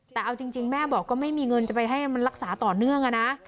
แต่เอาจริงแม่บอกก็ไม่มีเงินจะไปให้มันรักษาต่อเนื่องนะ